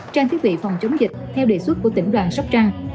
trang thiết bị phòng chống dịch theo đề xuất của tỉnh đoàn sóc trang